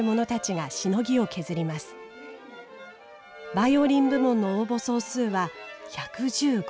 バイオリン部門の応募総数は１１５。